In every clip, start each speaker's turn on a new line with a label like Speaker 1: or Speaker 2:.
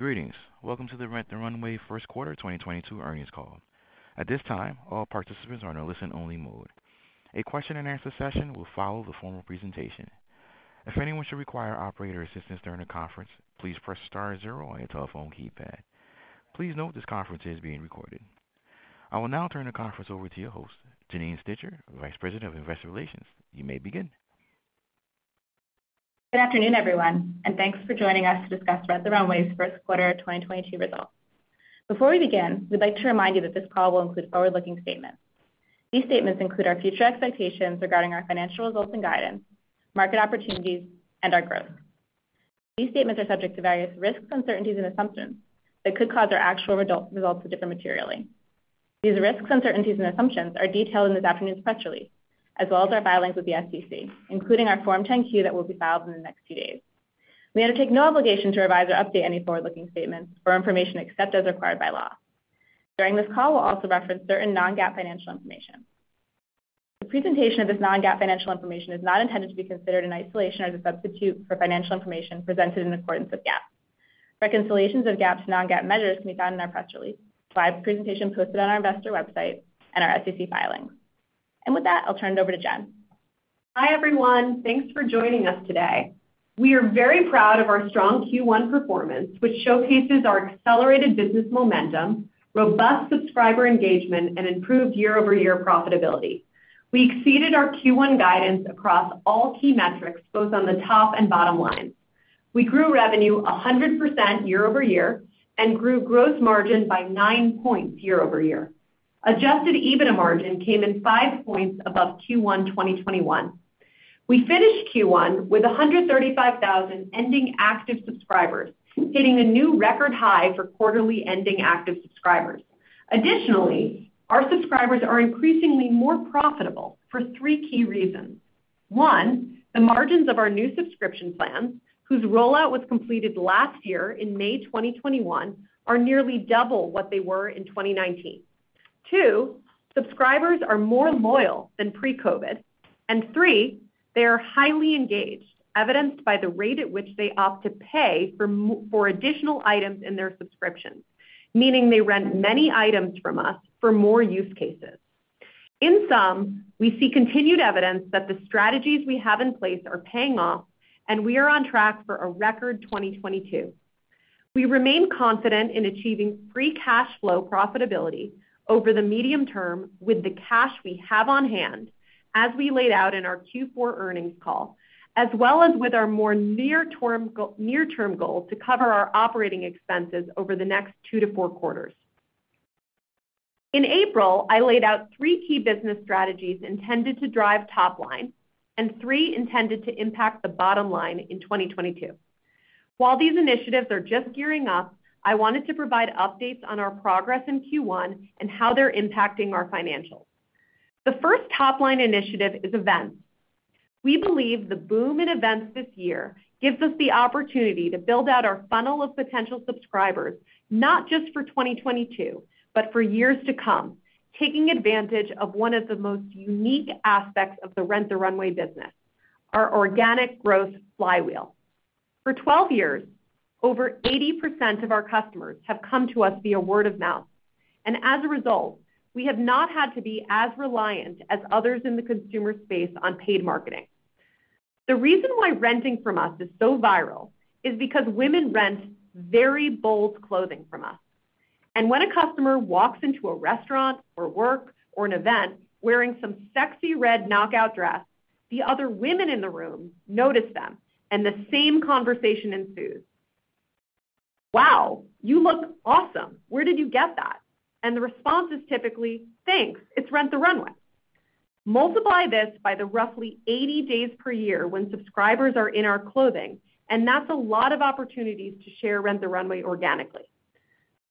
Speaker 1: Greetings. Welcome to the Rent the Runway First Quarter 2022 earnings call. At this time, all participants are in a listen-only mode. A question and answer session will follow the formal presentation. If anyone should require operator assistance during the conference, please press star zero on your telephone keypad. Please note this conference is being recorded. I will now turn the conference over to your host, Janine Stichter, Vice President of Investor Relations. You may begin.
Speaker 2: Good afternoon, everyone, and thanks for joining us to discuss Rent the Runway's first quarter 2022 results. Before we begin, we'd like to remind you that this call will include forward-looking statements. These statements include our future expectations regarding our financial results and guidance, market opportunities, and our growth. These statements are subject to various risks, uncertainties, and assumptions that could cause our actual results to differ materially. These risks, uncertainties, and assumptions are detailed in this afternoon's press release, as well as our filings with the SEC, including our Form 10-Q that will be filed in the next few days. We undertake no obligation to revise or update any forward-looking statements or information except as required by law. During this call, we'll also reference certain non-GAAP financial information. The presentation of this non-GAAP financial information is not intended to be considered in isolation or as a substitute for financial information presented in accordance with GAAP. Reconciliations of GAAP to non-GAAP measures can be found in our press release, live presentation posted on our investor website, and our SEC filings. With that, I'll turn it over to Jen.
Speaker 3: Hi, everyone. Thanks for joining us today. We are very proud of our strong Q1 performance, which showcases our accelerated business momentum, robust subscriber engagement, and improved year-over-year profitability. We exceeded our Q1 guidance across all key metrics, both on the top and bottom line. We grew revenue 100% year-over-year, and grew gross margin by 9 points year-over-year. Adjusted EBITDA margin came in 5 points above Q1 2021. We finished Q1 with 135,000 ending active subscribers, hitting a new record high for quarterly ending active subscribers. Additionally, our subscribers are increasingly more profitable for three key reasons. One, the margins of our new subscription plans, whose rollout was completed last year in May 2021, are nearly double what they were in 2019. Two, subscribers are more loyal than pre-COVID. Three, they are highly engaged, evidenced by the rate at which they opt to pay for additional items in their subscriptions, meaning they rent many items from us for more use cases. In sum, we see continued evidence that the strategies we have in place are paying off, and we are on track for a record 2022. We remain confident in achieving free cash flow profitability over the medium term with the cash we have on hand, as we laid out in our Q4 earnings call, as well as with our more near-term goal to cover our operating expenses over the next two to four quarters. In April, I laid out three key business strategies intended to drive top line and three intended to impact the bottom line in 2022. While these initiatives are just gearing up, I wanted to provide updates on our progress in Q1 and how they're impacting our financials. The first top-line initiative is events. We believe the boom in events this year gives us the opportunity to build out our funnel of potential subscribers, not just for 2022, but for years to come, taking advantage of one of the most unique aspects of the Rent the Runway business, our organic growth flywheel. For 12 years, over 80% of our customers have come to us via word of mouth, and as a result, we have not had to be as reliant as others in the consumer space on paid marketing. The reason why renting from us is so viral is because women rent very bold clothing from us. When a customer walks into a restaurant or work or an event wearing some sexy red knockout dress, the other women in the room notice them, and the same conversation ensues. "Wow, you look awesome. Where did you get that?" The response is typically, "Thanks. It's Rent the Runway." Multiply this by the roughly 80 days per year when subscribers are in our clothing, and that's a lot of opportunities to share Rent the Runway organically.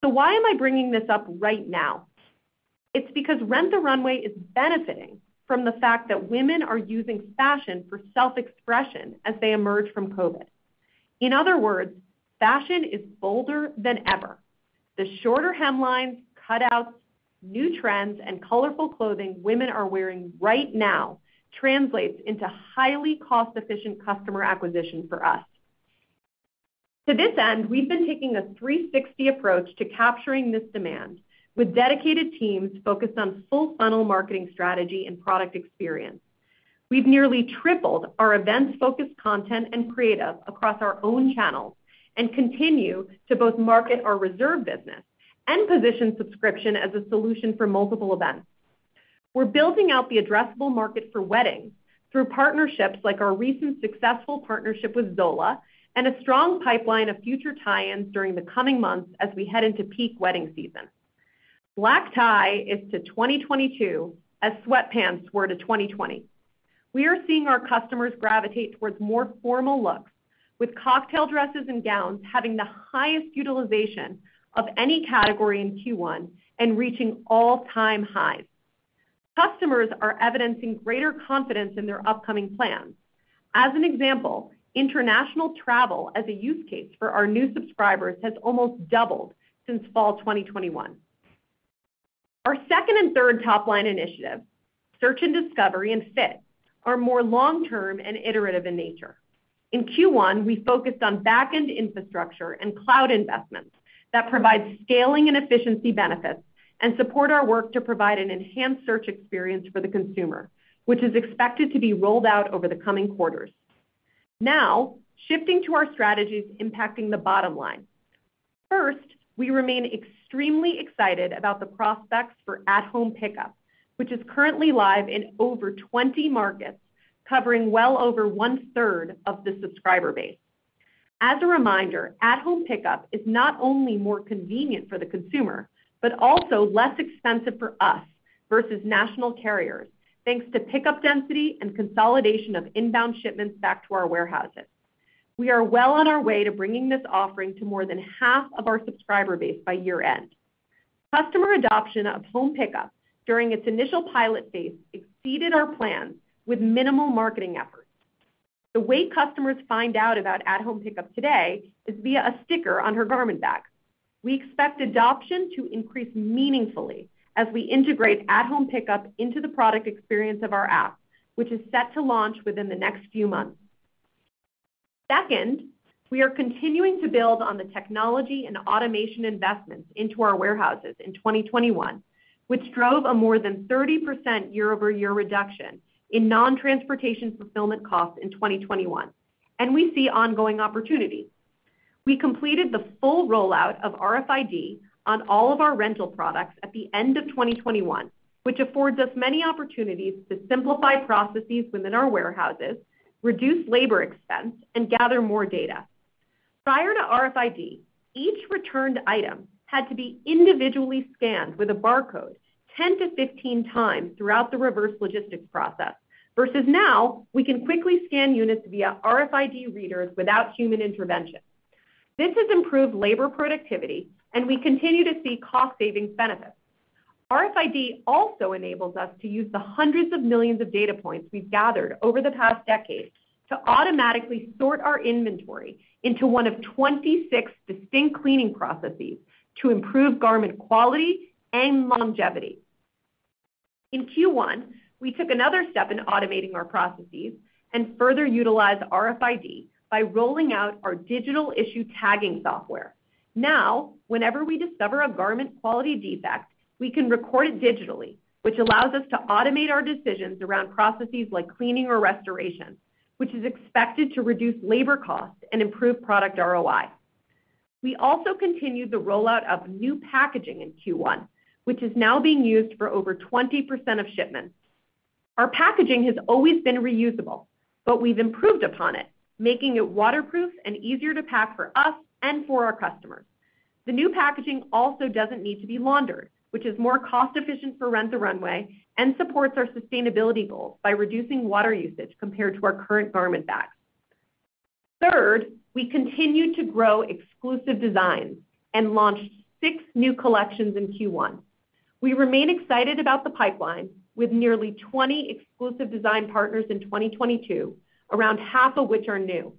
Speaker 3: Why am I bringing this up right now? It's because Rent the Runway is benefiting from the fact that women are using fashion for self-expression as they emerge from COVID. In other words, fashion is bolder than ever. The shorter hemlines, cutouts, new trends, and colorful clothing women are wearing right now translates into highly cost-efficient customer acquisition for us. To this end, we've been taking a 360 approach to capturing this demand with dedicated teams focused on full funnel marketing strategy and product experience. We've nearly tripled our events-focused content and creative across our own channels and continue to both market our Reserve business and position Subscription as a solution for multiple events. We're building out the addressable market for weddings through partnerships like our recent successful partnership with Zola and a strong pipeline of future tie-ins during the coming months as we head into peak wedding season. Black tie is to 2022 as sweatpants were to 2020. We are seeing our customers gravitate towards more formal looks, with cocktail dresses and gowns having the highest utilization of any category in Q1 and reaching all-time highs. Customers are evidencing greater confidence in their upcoming plans. As an example, international travel as a use case for our new subscribers has almost doubled since fall 2021. Our second and third top-line initiative, search and discovery, and fit, are more long-term and iterative in nature. In Q1, we focused on back-end infrastructure and cloud investments that provide scaling and efficiency benefits and support our work to provide an enhanced search experience for the consumer, which is expected to be rolled out over the coming quarters. Now, shifting to our strategies impacting the bottom line. First, we remain extremely excited about the prospects for at-home pickup, which is currently live in over 20 markets, covering well over one-third of the subscriber base. As a reminder, at-home pickup is not only more convenient for the consumer, but also less expensive for us versus national carriers, thanks to pickup density and consolidation of inbound shipments back to our warehouses. We are well on our way to bringing this offering to more than half of our subscriber base by year-end. Customer adoption of home pickup during its initial pilot phase exceeded our plan with minimal marketing efforts. The way customers find out about at-home pickup today is via a sticker on her garment bag. We expect adoption to increase meaningfully as we integrate at-home pickup into the product experience of our app, which is set to launch within the next few months. Second, we are continuing to build on the technology and automation investments into our warehouses in 2021, which drove a more than 30% year-over-year reduction in non-transportation fulfillment costs in 2021, and we see ongoing opportunities. We completed the full rollout of RFID on all of our rental products at the end of 2021, which affords us many opportunities to simplify processes within our warehouses, reduce labor expense, and gather more data. Prior to RFID, each returned item had to be individually scanned with a barcode 10x-15x throughout the reverse logistics process, versus now, we can quickly scan units via RFID readers without human intervention. This has improved labor productivity, and we continue to see cost savings benefits. RFID also enables us to use the hundreds of millions of data points we've gathered over the past decade to automatically sort our inventory into one of 26 distinct cleaning processes to improve garment quality and longevity. In Q1, we took another step in automating our processes and further utilized RFID by rolling out our digital issue tagging software. Now, whenever we discover a garment quality defect, we can record it digitally, which allows us to automate our decisions around processes like cleaning or restoration, which is expected to reduce labor costs and improve product ROI. We also continued the rollout of new packaging in Q1, which is now being used for over 20% of shipments. Our packaging has always been reusable, but we've improved upon it, making it waterproof and easier to pack for us and for our customers. The new packaging also doesn't need to be laundered, which is more cost-efficient for Rent the Runway and supports our sustainability goals by reducing water usage compared to our current garment bags. Third, we continued to grow exclusive designs and launched six new collections in Q1. We remain excited about the pipeline with nearly 20 exclusive design partners in 2022, around half of which are new.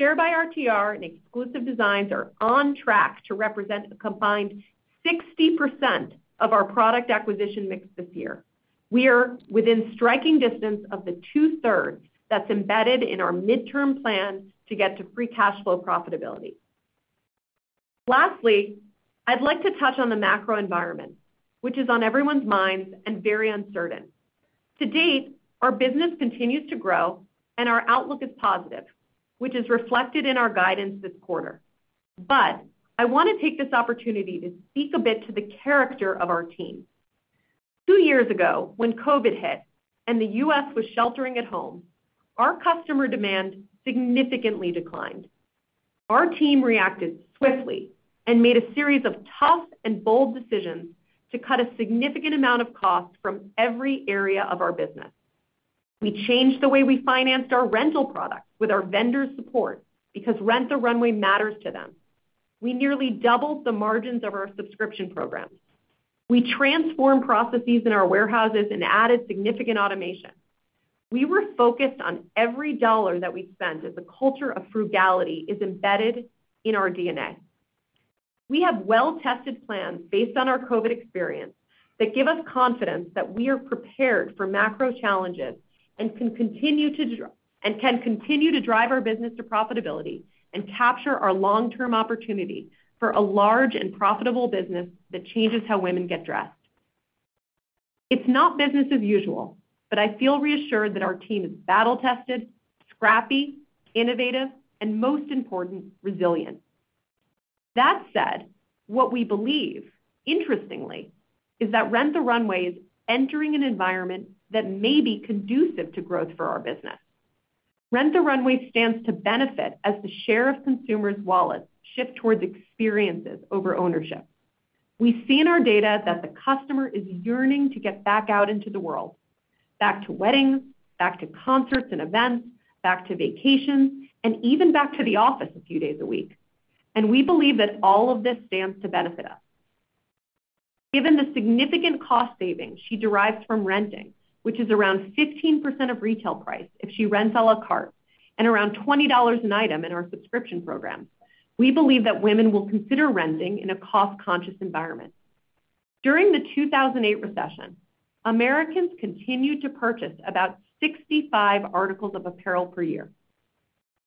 Speaker 3: Share by RTR and exclusive designs are on track to represent a combined 60% of our product acquisition mix this year. We are within striking distance of the two-thirds that's embedded in our midterm plan to get to free cash flow profitability. Lastly, I'd like to touch on the macro environment, which is on everyone's minds and very uncertain. To date, our business continues to grow, and our outlook is positive, which is reflected in our guidance this quarter. I want to take this opportunity to speak a bit to the character of our team. Two years ago, when COVID hit and the U.S. was sheltering at home, our customer demand significantly declined. Our team reacted swiftly and made a series of tough and bold decisions to cut a significant amount of cost from every area of our business. We changed the way we financed our rental products with our vendors' support because Rent the Runway matters to them. We nearly doubled the margins of our subscription programs. We transformed processes in our warehouses and added significant automation. We were focused on every dollar that we spent as a culture of frugality is embedded in our DNA. We have well-tested plans based on our COVID experience that give us confidence that we are prepared for macro challenges and can continue to drive our business to profitability and capture our long-term opportunity for a large and profitable business that changes how women get dressed. It's not business as usual, but I feel reassured that our team is battle-tested, scrappy, innovative, and most important, resilient. That said, what we believe, interestingly, is that Rent the Runway is entering an environment that may be conducive to growth for our business. Rent the Runway stands to benefit as the share of consumers' wallets shift towards experiences over ownership. We see in our data that the customer is yearning to get back out into the world, back to weddings, back to concerts and events, back to vacations, and even back to the office a few days a week, and we believe that all of this stands to benefit us. Given the significant cost savings she derives from renting, which is around 15% of retail price if she rents à la carte and around $20 an item in our subscription program. We believe that women will consider renting in a cost-conscious environment. During the 2008 recession, Americans continued to purchase about 65 articles of apparel per year.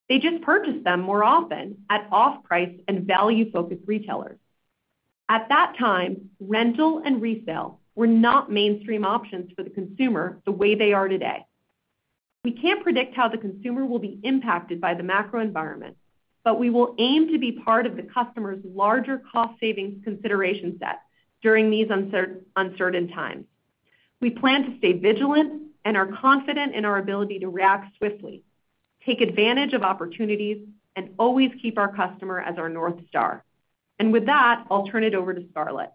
Speaker 3: They just purchased them more often at off-price and value-focused retailers. At that time, rental and resale were not mainstream options for the consumer the way they are today. We can't predict how the consumer will be impacted by the macro environment, but we will aim to be part of the customer's larger cost savings consideration set during these uncertain times. We plan to stay vigilant and are confident in our ability to react swiftly, take advantage of opportunities, and always keep our customer as our North Star. With that, I'll turn it over to Scarlett.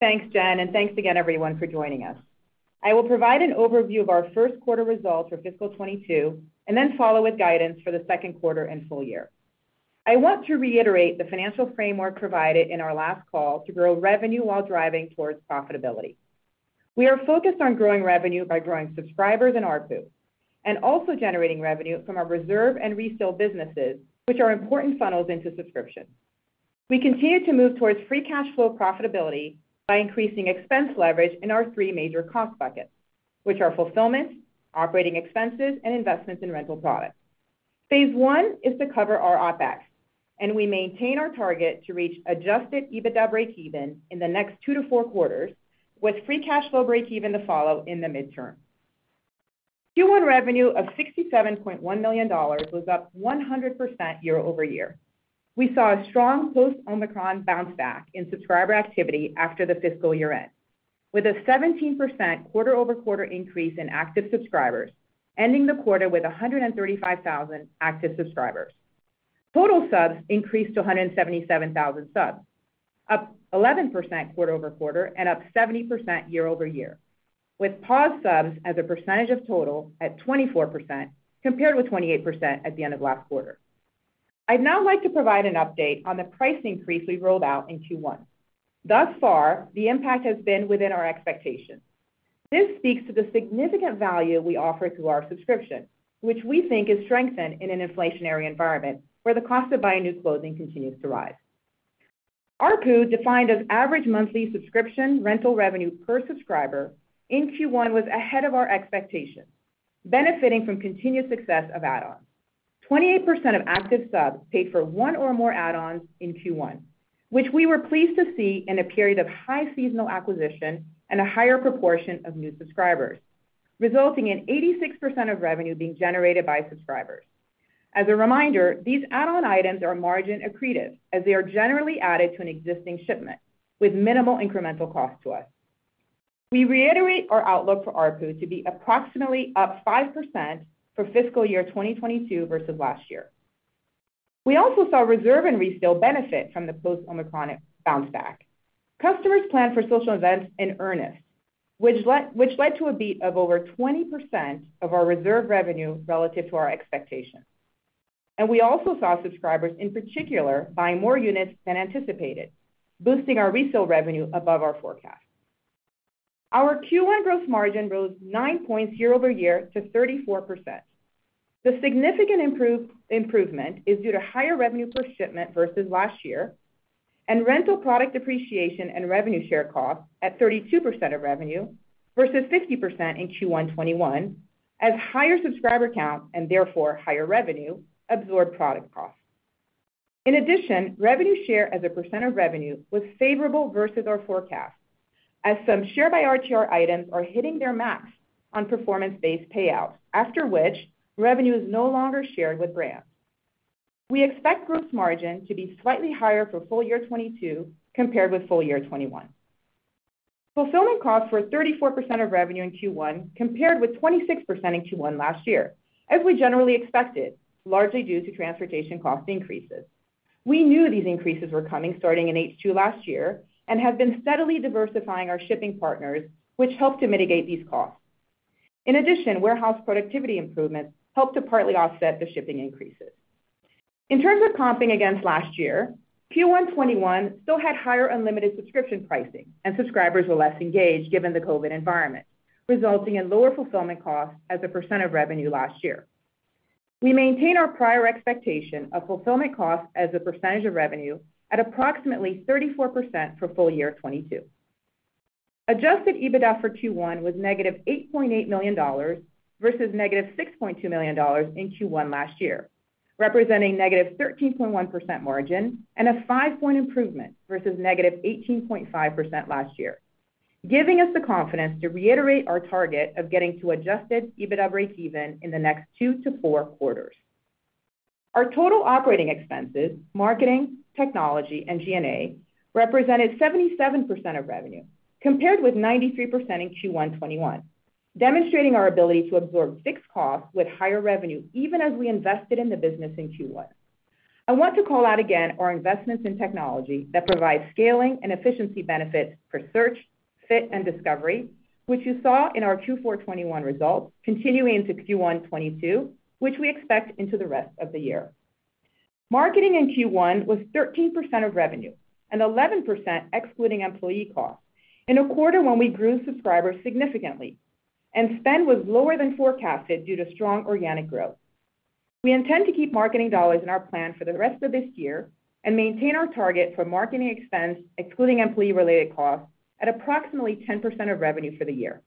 Speaker 4: Thanks, Jen, and thanks again everyone for joining us. I will provide an overview of our first quarter results for fiscal 2022, and then follow with guidance for the second quarter and full year. I want to reiterate the financial framework provided in our last call to grow revenue while driving towards profitability. We are focused on growing revenue by growing subscribers and ARPU, and also generating revenue from our reserve and resale businesses, which are important funnels into subscription. We continue to move towards free cash flow profitability by increasing expense leverage in our three major cost buckets, which are fulfillment, operating expenses, and investments in rental products. Phase one is to cover our OpEx, and we maintain our target to reach adjusted EBITDA breakeven in the next two to four quarters, with free cash flow breakeven to follow in the midterm. Q1 revenue of $67.1 million was up 100% year-over-year. We saw a strong post-Omicron bounce back in subscriber activity after the fiscal year-end with a 17% quarter-over-quarter increase in active subscribers, ending the quarter with 135,000 active subscribers. Total subs increased to 177,000 subs, up 11% quarter-over-quarter and up 70% year-over-year, with paused subs as a percentage of total at 24%, compared with 28% at the end of last quarter. I'd now like to provide an update on the price increase we rolled out in Q1. Thus far, the impact has been within our expectations. This speaks to the significant value we offer through our subscription, which we think is strengthened in an inflationary environment, where the cost of buying new clothing continues to rise. ARPU, defined as average monthly subscription rental revenue per subscriber, in Q1 was ahead of our expectations, benefiting from continued success of add-ons. 28% of active subs paid for one or more add-ons in Q1, which we were pleased to see in a period of high seasonal acquisition and a higher proportion of new subscribers, resulting in 86% of revenue being generated by subscribers. As a reminder, these add-on items are margin accretive, as they are generally added to an existing shipment with minimal incremental cost to us. We reiterate our outlook for ARPU to be approximately up 5% for fiscal year 2022 versus last year. We also saw Reserve and Resale benefit from the post-Omicron bounce back. Customers planned for social events in earnest, which led to a beat of over 20% of our Reserve revenue relative to our expectations. We also saw subscribers in particular buy more units than anticipated, boosting our Resale revenue above our forecast. Our Q1 gross margin rose 9 points year-over-year to 34%. The significant improvement is due to higher revenue per shipment versus last year, and rental product depreciation and revenue share cost at 32% of revenue versus 50% in Q1 2021, as higher subscriber count, and therefore higher revenue, absorb product cost. In addition, revenue share as a percent of revenue was favorable versus our forecast as some Share by RTR items are hitting their max on performance-based payouts, after which revenue is no longer shared with brands. We expect gross margin to be slightly higher for full year 2022 compared with full year 2021. Fulfillment costs were 34% of revenue in Q1, compared with 26% in Q1 last year, as we generally expected, largely due to transportation cost increases. We knew these increases were coming starting in H2 last year, and have been steadily diversifying our shipping partners, which helped to mitigate these costs. In addition, warehouse productivity improvements helped to partly offset the shipping increases. In terms of comping against last year, Q1 2021 still had higher unlimited subscription pricing, and subscribers were less engaged given the COVID environment, resulting in lower fulfillment costs as a percent of revenue last year. We maintain our prior expectation of fulfillment costs as a percentage of revenue at approximately 34% for full year 2022. Adjusted EBITDA for Q1 was -$8.8 million, versus -$6.2 million in Q1 last year, representing -13.1% margin and a 5-point improvement versus -18.5% last year, giving us the confidence to reiterate our target of getting to adjusted EBITDA breakeven in the next two to four quarters. Our total operating expenses, marketing, technology, and G&A, represented 77% of revenue, compared with 93% in Q1 2021, demonstrating our ability to absorb fixed costs with higher revenue, even as we invested in the business in Q1. I want to call out again our investments in technology that provide scaling and efficiency benefits for search, fit, and discovery, which you saw in our Q4 2021 results continuing into Q1 2022, which we expect into the rest of the year. Marketing in Q1 was 13% of revenue, and 11% excluding employee costs. In a quarter when we grew subscribers significantly, and spend was lower than forecasted due to strong organic growth. We intend to keep marketing dollars in our plan for the rest of this year and maintain our target for marketing expense, excluding employee-related costs, at approximately 10% of revenue for the year.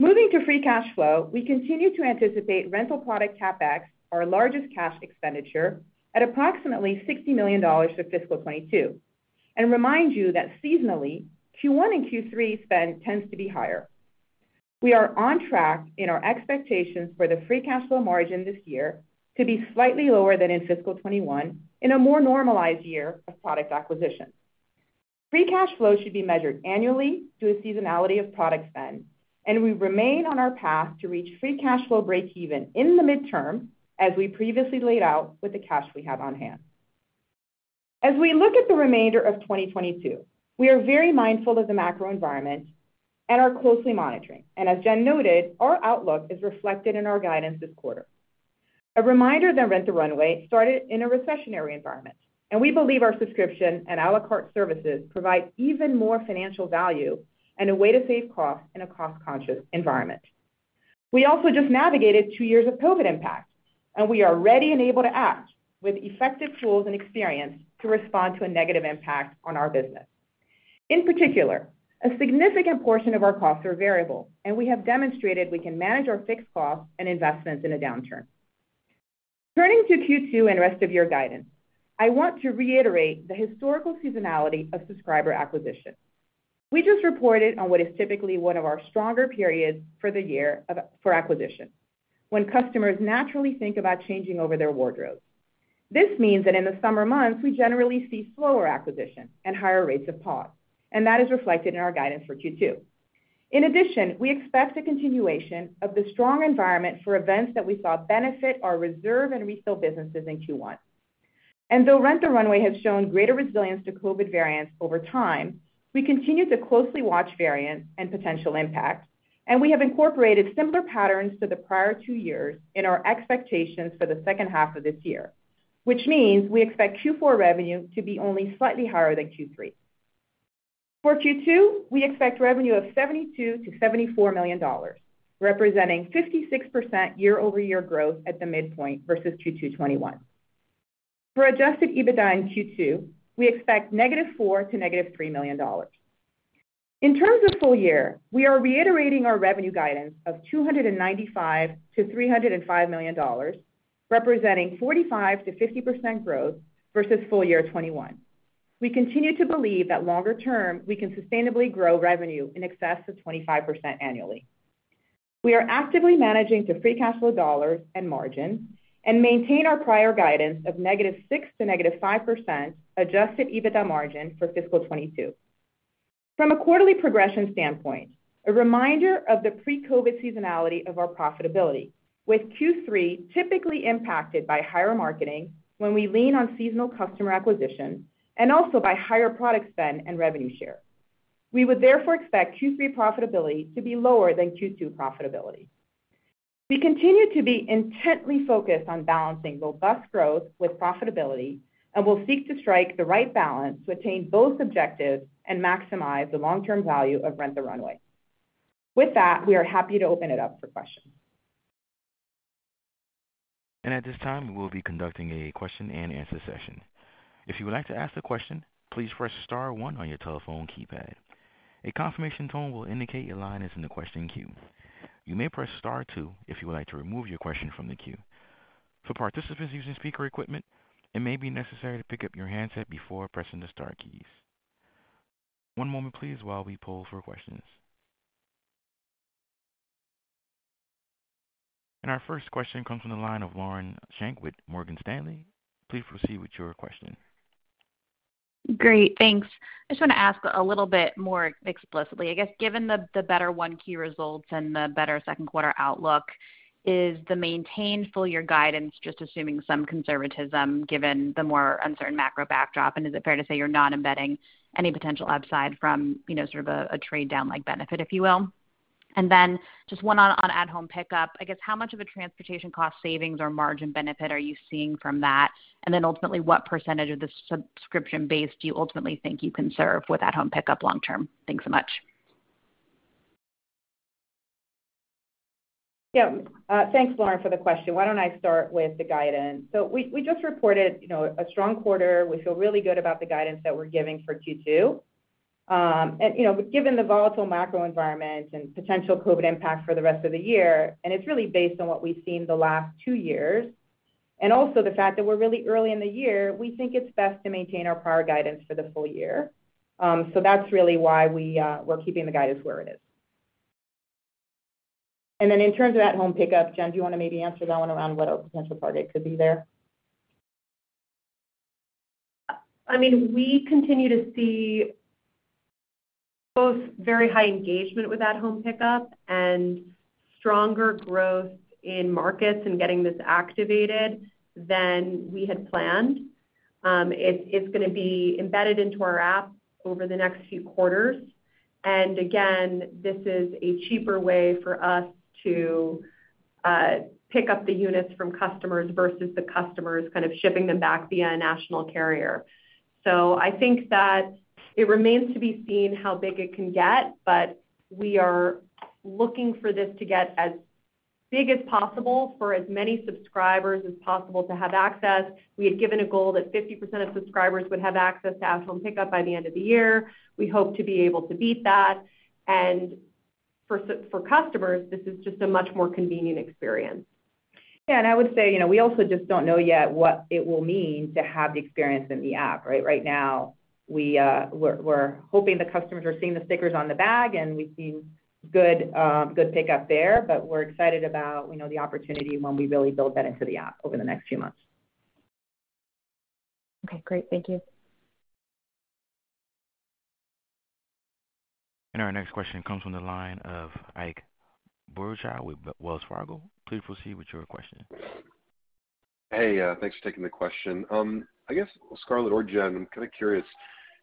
Speaker 4: Moving to free cash flow, we continue to anticipate rental product CapEx, our largest cash expenditure, at approximately $60 million for fiscal 2022. Remind you that seasonally, Q1 and Q3 spend tends to be higher. We are on track in our expectations for the free cash flow margin this year to be slightly lower than in fiscal 2021 in a more normalized year of product acquisition. Free cash flow should be measured annually through a seasonality of product spend, and we remain on our path to reach free cash flow breakeven in the midterm, as we previously laid out with the cash we have on hand. As we look at the remainder of 2022, we are very mindful of the macro environment and are closely monitoring. As Jen noted, our outlook is reflected in our guidance this quarter. A reminder that Rent the Runway started in a recessionary environment, and we believe our subscription and à la carte services provide even more financial value and a way to save costs in a cost-conscious environment. We also just navigated two years of COVID impact, and we are ready and able to act with effective tools and experience to respond to a negative impact on our business. In particular, a significant portion of our costs are variable, and we have demonstrated we can manage our fixed costs and investments in a downturn. Turning to Q2 and rest of year guidance, I want to reiterate the historical seasonality of subscriber acquisition. We just reported on what is typically one of our stronger periods for the year for acquisition, when customers naturally think about changing over their wardrobes. This means that in the summer months, we generally see slower acquisition and higher rates of pause, and that is reflected in our guidance for Q2. In addition, we expect a continuation of the strong environment for events that we saw benefit our reserve and resale businesses in Q1. Though Rent the Runway has shown greater resilience to COVID variants over time, we continue to closely watch variants and potential impacts, and we have incorporated similar patterns to the prior two years in our expectations for the second half of this year, which means we expect Q4 revenue to be only slightly higher than Q3. For Q2, we expect revenue of $72 million-$74 million, representing 56% year-over-year growth at the midpoint versus Q2 2021. For adjusted EBITDA in Q2, we expect -$4 million to -$3 million. In terms of full year, we are reiterating our revenue guidance of $295 million-$305 million, representing 45%-50% growth versus full year 2021. We continue to believe that longer term, we can sustainably grow revenue in excess of 25% annually. We are actively managing to free cash flow dollars and margin and maintain our prior guidance of negative 6%-5% adjusted EBITDA margin for fiscal 2022. From a quarterly progression standpoint, a reminder of the pre-COVID seasonality of our profitability, with Q3 typically impacted by higher marketing when we lean on seasonal customer acquisition and also by higher product spend and revenue share. We would therefore expect Q3 profitability to be lower than Q2 profitability. We continue to be intently focused on balancing robust growth with profitability and will seek to strike the right balance to attain both objectives and maximize the long-term value of Rent the Runway. With that, we are happy to open it up for questions.
Speaker 1: At this time, we will be conducting a question-and-answer session. If you would like to ask a question, please press star one on your telephone keypad. A confirmation tone will indicate your line is in the question queue. You may press star two if you would like to remove your question from the queue. For participants using speaker equipment, it may be necessary to pick up your handset before pressing the star keys. One moment please, while we poll for questions. Our first question comes from the line of Lauren Schenk with Morgan Stanley. Please proceed with your question.
Speaker 5: Great, thanks. I just want to ask a little bit more explicitly, I guess, given the better Q1 results and the better second quarter outlook, is the maintained full-year guidance just assuming some conservatism given the more uncertain macro backdrop? Is it fair to say you're not embedding any potential upside from, you know, sort of a trade down like benefit, if you will? Just one on at-home pickup. How much of a transportation cost savings or margin benefit are you seeing from that? Ultimately, what percentage of the subscription base do you think you can serve with at-home pickup long term? Thanks so much.
Speaker 4: Yeah. Thanks, Lauren, for the question. Why don't I start with the guidance? We just reported, you know, a strong quarter. We feel really good about the guidance that we're giving for Q2. You know, given the volatile macro environment and potential COVID impact for the rest of the year, and it's really based on what we've seen the last two years, and also the fact that we're really early in the year, we think it's best to maintain our prior guidance for the full year. That's really why we're keeping the guidance where it is. Then in terms of at-home pickup, Jen, do you want to maybe answer that one around what our potential target could be there?
Speaker 3: I mean, we continue to see both very high engagement with at-home pickup and stronger growth in markets and getting this activated than we had planned. It's gonna be embedded into our app over the next few quarters. Again, this is a cheaper way for us to pick up the units from customers versus the customers kind of shipping them back via a national carrier. I think that it remains to be seen how big it can get, but we are looking for this to get as big as possible for as many subscribers as possible to have access. We had given a goal that 50% of subscribers would have access to at-home pickup by the end of the year. We hope to be able to beat that. For customers, this is just a much more convenient experience.
Speaker 4: Yeah. I would say, you know, we also just don't know yet what it will mean to have the experience in the app, right? Right now, we're hoping the customers are seeing the stickers on the bag, and we've seen good pickup there. We're excited about, you know, the opportunity when we really build that into the app over the next few months.
Speaker 5: Okay, great. Thank you.
Speaker 1: Our next question comes from the line of Ike Boruchow with Wells Fargo. Please proceed with your question.
Speaker 6: Hey, thanks for taking the question. I guess Scarlett or Jen, I'm kinda curious,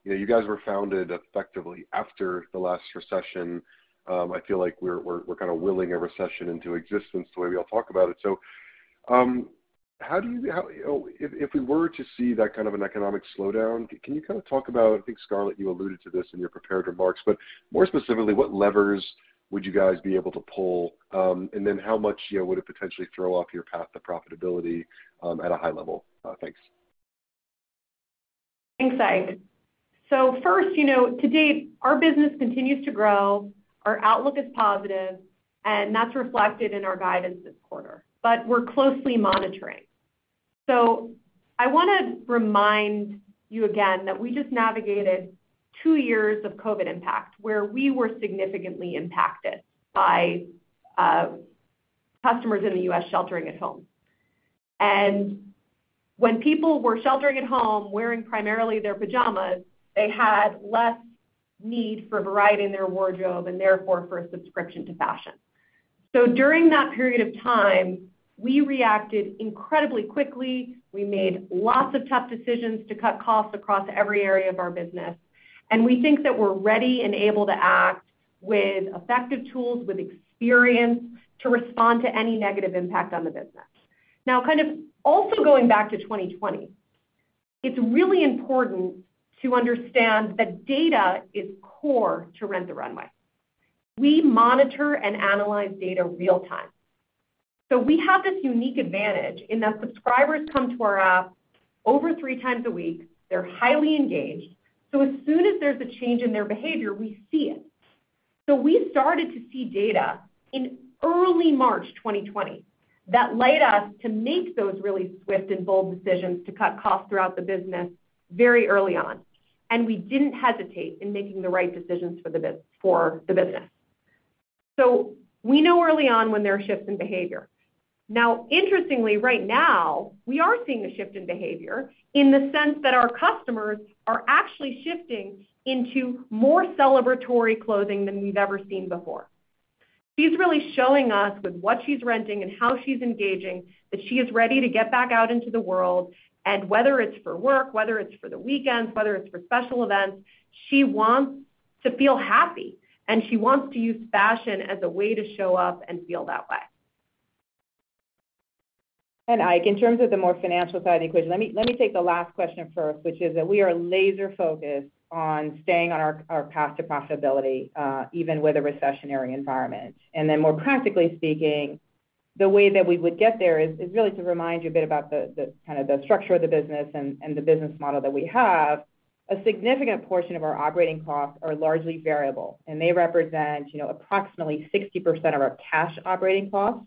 Speaker 6: you know, you guys were founded effectively after the last recession. I feel like we're kinda willing a recession into existence the way we all talk about it. How do you know, if we were to see that kind of an economic slowdown, can you kinda talk about, I think, Scarlett, you alluded to this in your prepared remarks, but more specifically, what levers would you guys be able to pull? And then how much, you know, would it potentially throw off your path to profitability, at a high level? Thanks.
Speaker 3: Thanks, Ike. First, you know, to date, our business continues to grow, our outlook is positive, and that's reflected in our guidance this quarter. We're closely monitoring. I wanna remind you again that we just navigated two years of COVID impact, where we were significantly impacted by, customers in the U.S. sheltering at home. When people were sheltering at home, wearing primarily their pajamas, they had less need for variety in their wardrobe and therefore for a subscription to fashion. During that period of time, we reacted incredibly quickly. We made lots of tough decisions to cut costs across every area of our business, and we think that we're ready and able to act with effective tools, with experience to respond to any negative impact on the business. Now, kind of also going back to 2020, it's really important to understand that data is core to Rent the Runway. We monitor and analyze data real-time. We have this unique advantage in that subscribers come to our app over 3x a week. They're highly engaged, so as soon as there's a change in their behavior, we see it. We started to see data in early March 2020 that led us to make those really swift and bold decisions to cut costs throughout the business very early on, and we didn't hesitate in making the right decisions for the business. We know early on when there are shifts in behavior. Now, interestingly, right now, we are seeing a shift in behavior in the sense that our customers are actually shifting into more celebratory clothing than we've ever seen before. She's really showing us with what she's renting and how she's engaging, that she is ready to get back out into the world. Whether it's for work, whether it's for the weekends, whether it's for special events, she wants to feel happy, and she wants to use fashion as a way to show up and feel that way.
Speaker 4: Ike, in terms of the more financial side of the equation, let me take the last question first, which is that we are laser-focused on staying on our path to profitability, even with a recessionary environment. Then more practically speaking, the way that we would get there is really to remind you a bit about the kind of structure of the business and the business model that we have. A significant portion of our operating costs are largely variable, and they represent, you know, approximately 60% of our cash operating costs,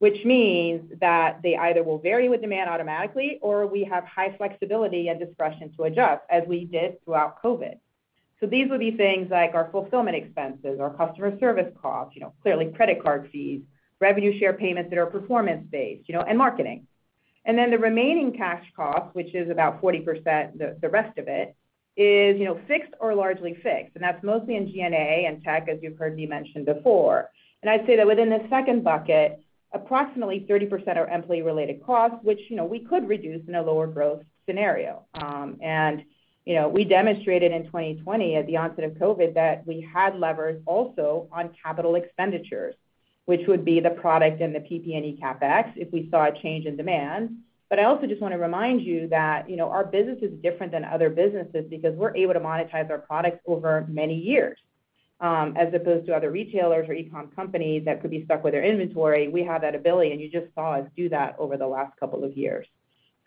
Speaker 4: which means that they either will vary with demand automatically, or we have high flexibility and discretion to adjust, as we did throughout COVID. These would be things like our fulfillment expenses, our customer service costs, you know, clearly credit card fees, revenue share payments that are performance-based, you know, and marketing. Then the remaining cash costs, which is about 40%, the rest of it is, you know, fixed or largely fixed, and that's mostly in G&A and tech, as you've heard me mention before. I'd say that within the second bucket, approximately 30% are employee-related costs, which, you know, we could reduce in a lower growth scenario. You know, we demonstrated in 2020 at the onset of COVID that we had levers also on capital expenditures, which would be the product and the PP&E CapEx if we saw a change in demand. I also just wanna remind you that, you know, our business is different than other businesses because we're able to monetize our products over many years, as opposed to other retailers or e-com companies that could be stuck with their inventory. We have that ability, and you just saw us do that over the last couple of years.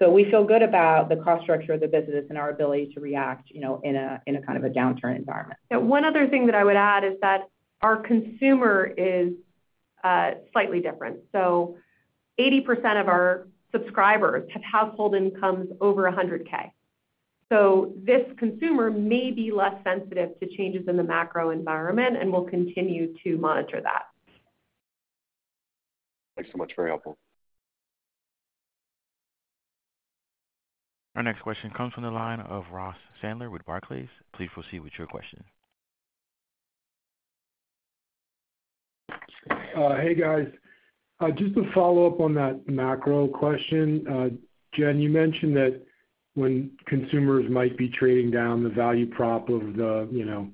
Speaker 4: So we feel good about the cost structure of the business and our ability to react, you know, in a kind of a downturn environment.
Speaker 3: Yeah. One other thing that I would add is that our consumer is slightly different. 80% of our subscribers have household incomes over 100,000. This consumer may be less sensitive to changes in the macro environment, and we'll continue to monitor that.
Speaker 6: Thanks so much. Very helpful.
Speaker 1: Our next question comes from the line of Ross Sandler with Barclays. Please proceed with your question.
Speaker 7: Hey, guys. Just to follow up on that macro question. Jen, you mentioned that when consumers might be trading down the value prop of the, you know,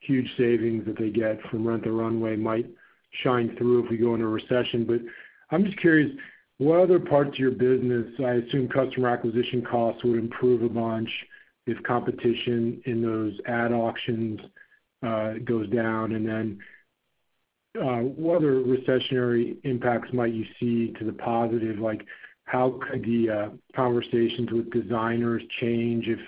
Speaker 7: huge savings that they get from Rent the Runway might shine through if we go into a recession. I'm just curious, what other parts of your business, I assume customer acquisition costs would improve a bunch if competition in those ad auctions goes down. What other recessionary impacts might you see to the positive? Like, how could the conversations with designers change if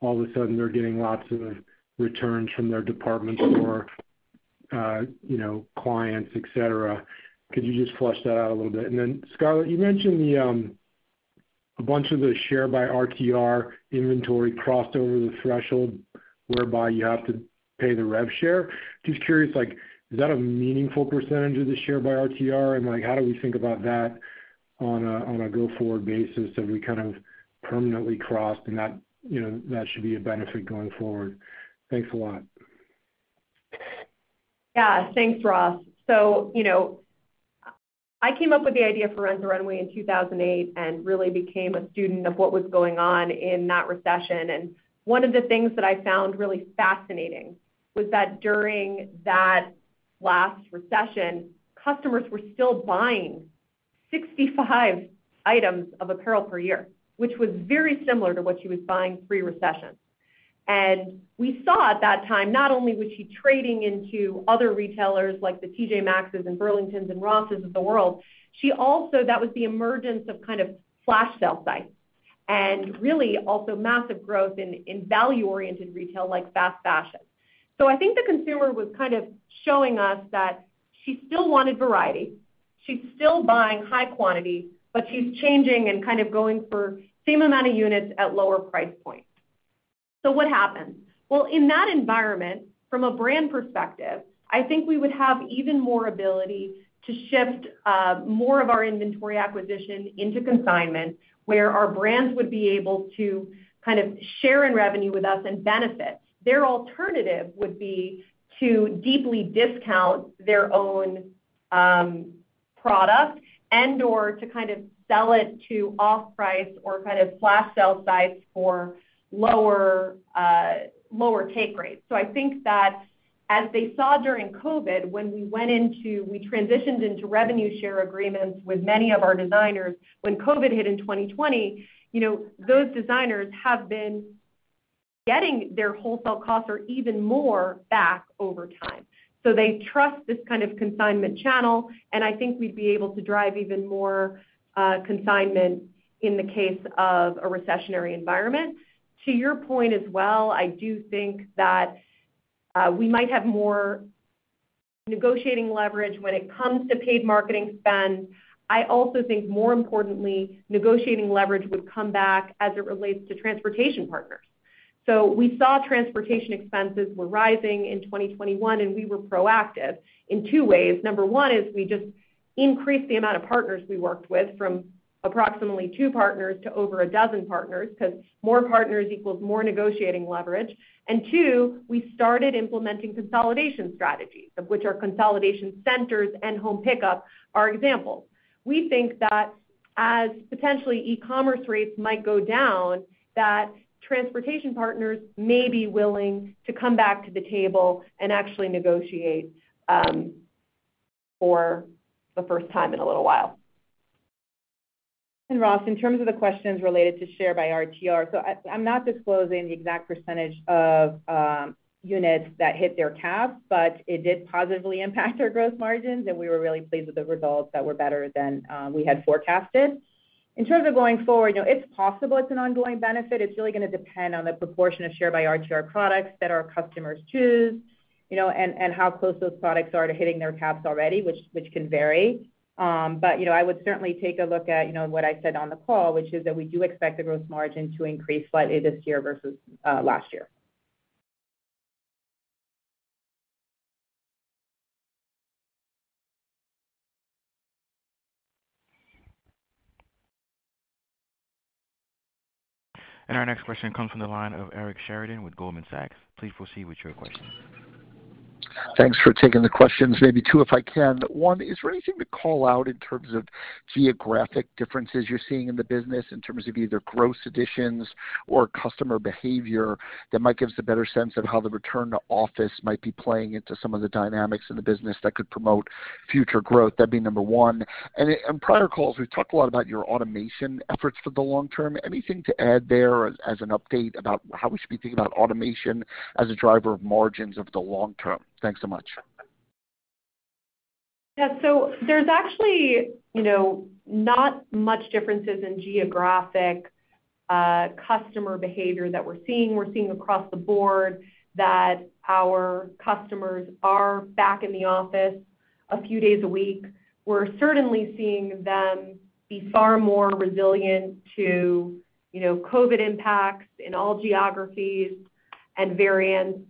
Speaker 7: all of a sudden they're getting lots of returns from their departments or, you know, clients, et cetera? Could you just flesh that out a little bit? Scarlett, you mentioned the a bunch of the Share by RTR inventory crossed over the threshold whereby you have to pay the rev share. Just curious, like, is that a meaningful percentage of the Share by RTR? Like, how do we think about that on a go-forward basis that we kind of permanently crossed, and that, you know, that should be a benefit going forward? Thanks a lot.
Speaker 3: Yeah. Thanks, Ross. You know, I came up with the idea for Rent the Runway in 2008, and really became a student of what was going on in that recession. One of the things that I found really fascinating was that during that last recession, customers were still buying 65 items of apparel per year, which was very similar to what she was buying pre-recession. We saw at that time, not only was she trading into other retailers like the TJ Maxx's and Burlington's and Ross of the world. That was the emergence of kind of flash sale sites, and really also massive growth in value-oriented retail, like fast fashion. I think the consumer was kind of showing us that she still wanted variety, she's still buying high quantity, but she's changing and kind of going for same amount of units at lower price points. What happens? Well, in that environment, from a brand perspective, I think we would have even more ability to shift more of our inventory acquisition into consignment, where our brands would be able to kind of share in revenue with us and benefit. Their alternative would be to deeply discount their own product and/or to kind of sell it to off-price or kind of flash sale sites for lower take rates. I think that as they saw during COVID, when we transitioned into revenue share agreements with many of our designers. When COVID hit in 2020, you know, those designers have been getting their wholesale costs or even more back over time. They trust this kind of consignment channel, and I think we'd be able to drive even more consignment in the case of a recessionary environment. To your point as well, I do think that we might have more negotiating leverage when it comes to paid marketing spend. I also think, more importantly, negotiating leverage would come back as it relates to transportation partners. We saw transportation expenses were rising in 2021, and we were proactive in two ways. Number one is we just increased the amount of partners we worked with from approximately two partners to over a dozen partners, 'cause more partners equals more negotiating leverage. Two, we started implementing consolidation strategies, of which our consolidation centers and home pickup are examples. We think that as potentially e-commerce rates might go down, that transportation partners may be willing to come back to the table and actually negotiate, for the first time in a little while.
Speaker 4: Ross, in terms of the questions related to Share by RTR, I'm not disclosing the exact percentage of units that hit their caps, but it did positively impact our gross margins, and we were really pleased with the results that were better than we had forecasted. In terms of going forward, you know, it's possible it's an ongoing benefit. It's really gonna depend on the proportion of Share by RTR products that our customers choose, you know, and how close those products are to hitting their caps already, which can vary. But you know, I would certainly take a look at, you know, what I said on the call, which is that we do expect the gross margin to increase slightly this year versus last year.
Speaker 1: Our next question comes from the line of Eric Sheridan with Goldman Sachs. Please proceed with your question.
Speaker 8: Thanks for taking the questions. Maybe two, if I can. One, is there anything to call out in terms of geographic differences you're seeing in the business, in terms of either gross additions or customer behavior that might give us a better sense of how the return to office might be playing into some of the dynamics in the business that could promote future growth? That'd be number one. In prior calls, we've talked a lot about your automation efforts for the long term. Anything to add there as an update about how we should be thinking about automation as a driver of margins over the long term? Thanks so much.
Speaker 3: Yeah. There's actually, you know, not much differences in geographic customer behavior that we're seeing. We're seeing across the board that our customers are back in the office a few days a week. We're certainly seeing them be far more resilient to, you know, COVID impacts in all geographies and variants.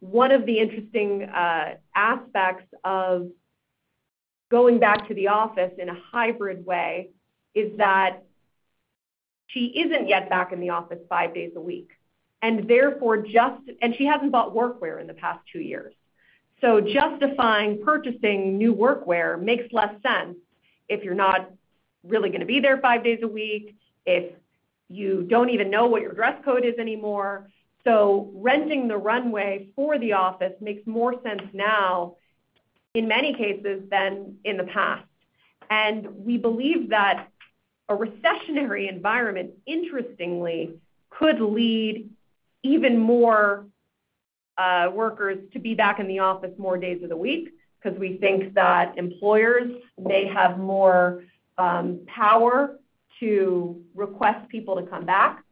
Speaker 3: One of the interesting aspects of going back to the office in a hybrid way is that she isn't yet back in the office five days a week, and therefore she hasn't bought workwear in the past two years. Justifying purchasing new workwear makes less sense if you're not really gonna be there five days a week, if you don't even know what your dress code is anymore. Renting the Runway for the office makes more sense now in many cases than in the past. We believe that a recessionary environment, interestingly, could lead even more workers to be back in the office more days of the week, 'cause we think that employers may have more power to request people to come back.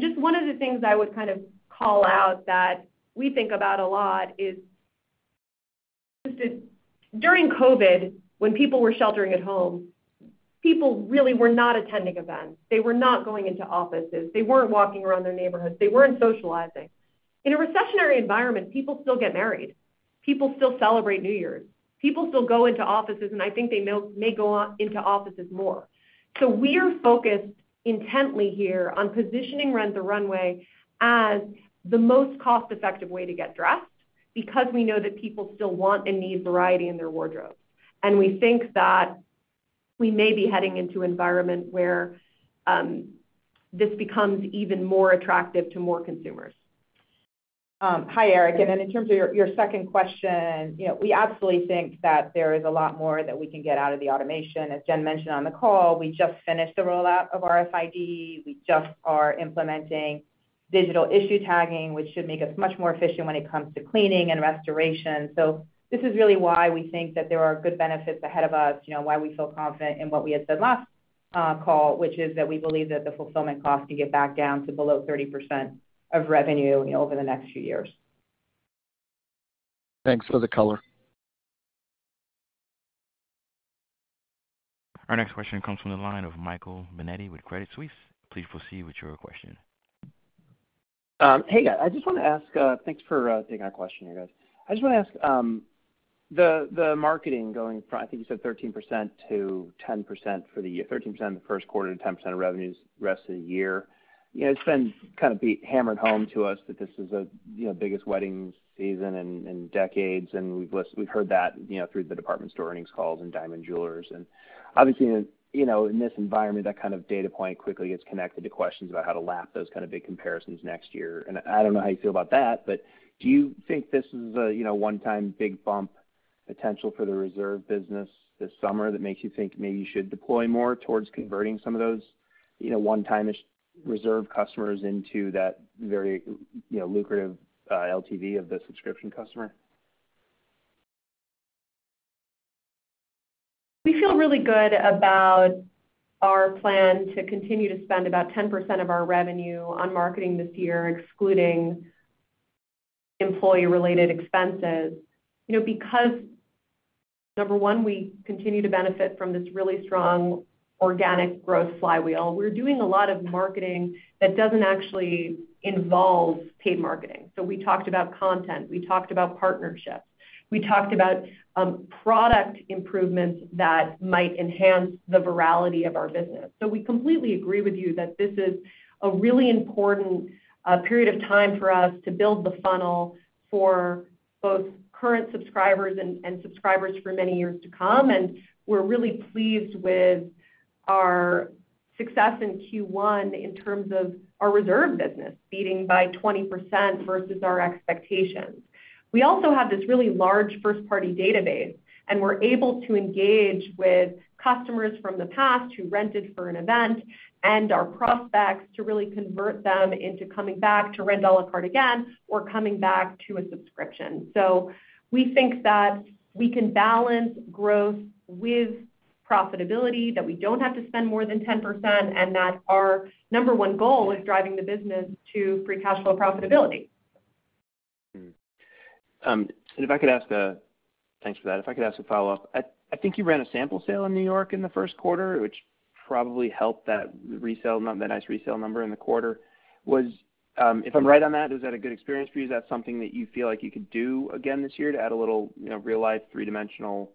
Speaker 3: Just one of the things I would kind of call out that we think about a lot is just that during COVID, when people were sheltering at home, people really were not attending events. They were not going into offices. They weren't walking around their neighborhoods. They weren't socializing. In a recessionary environment, people still get married, people still celebrate New Year's, people still go into offices, and I think they may go into offices more. We're focused intently here on positioning Rent the Runway as the most cost-effective way to get dressed because we know that people still want and need variety in their wardrobes. We think that we may be heading into an environment where this becomes even more attractive to more consumers.
Speaker 4: Hi, Eric. Then in terms of your second question, you know, we absolutely think that there is a lot more that we can get out of the automation. As Jen mentioned on the call, we just finished the rollout of RFID. We just are implementing digital issue tagging, which should make us much more efficient when it comes to cleaning and restoration. This is really why we think that there are good benefits ahead of us, you know, why we feel confident in what we had said last call, which is that we believe that the fulfillment costs can get back down to below 30% of revenue, you know, over the next few years.
Speaker 8: Thanks for the color.
Speaker 1: Our next question comes from the line of Michael Binetti with Credit Suisse. Please proceed with your question.
Speaker 9: Hey, guys. Thanks for taking our question, you guys. I just wanna ask the marketing going from, I think you said 13%-10% for the year. 13% in the first quarter to 10% of revenues rest of the year. You know, it's been kind of been hammered home to us that this is a, you know, biggest wedding season in decades. We've heard that, you know, through the department store earnings calls and diamond jewelers. Obviously, you know, in this environment, that kind of data point quickly gets connected to questions about how to lap those kind of big comparisons next year. I don't know how you feel about that, but do you think this is a, you know, one-time big bump potential for the Reserve business this summer that makes you think maybe you should deploy more towards converting some of those, you know, one-time-ish Reserve customers into that very, you know, lucrative, LTV of the Subscription customer?
Speaker 3: We feel really good about our plan to continue to spend about 10% of our revenue on marketing this year, excluding employee-related expenses. You know, because, number one, we continue to benefit from this really strong organic growth flywheel, we're doing a lot of marketing that doesn't actually involve paid marketing. We talked about content, we talked about partnerships. We talked about product improvements that might enhance the virality of our business. We completely agree with you that this is a really important period of time for us to build the funnel for both current subscribers and subscribers for many years to come. We're really pleased with our success in Q1 in terms of our Reserve business, beating by 20% versus our expectations. We also have this really large first-party database, and we're able to engage with customers from the past who rented for an event and our prospects to really convert them into coming back to rent à la carte again or coming back to a subscription. We think that we can balance growth with profitability, that we don't have to spend more than 10%, and that our number one goal is driving the business to free cash flow profitability.
Speaker 9: Thanks for that. If I could ask a follow-up. I think you ran a sample sale in New York in the first quarter, which probably helped that nice resale number in the quarter. If I'm right on that, was that a good experience for you? Is that something that you feel like you could do again this year to add a little, you know, real-life three-dimensional